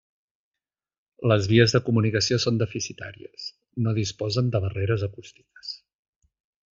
Les vies de comunicació són deficitàries, no disposen de barreres acústiques.